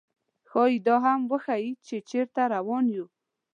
ښايي دا هم وښيي، چې چېرته روان یو.